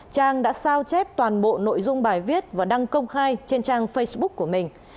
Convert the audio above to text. trang đã sao chép toàn bộ nội dung bài viết và đăng công khai trên trang facebook của mình